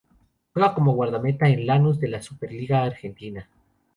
Juega como guardameta en Lanús de la Superliga Argentina.